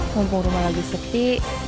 mumpung rumah lagi sepi